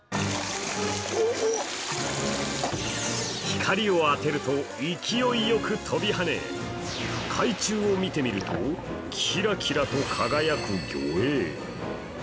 光を当てると勢いよく飛びはね、海中を見てみると、キラキラと輝く魚影。